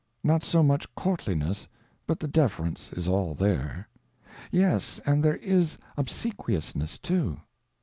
Not so much courtliness, but the deference is all there. Yes, and there is obsequiousness, too.